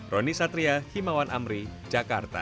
roni satria himawan amri jakarta